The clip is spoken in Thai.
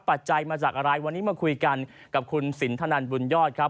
ปัจจัยมาจากอะไรวันนี้มาคุยกันกับคุณสินทนันบุญยอดครับ